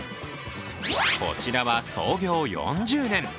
こちらは、創業４０年。